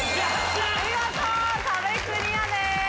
見事壁クリアです。